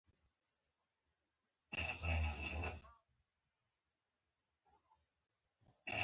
منظور پښتين چې د يوې وياړلې قبيلې د جنګياليانو نه راوتلی دی.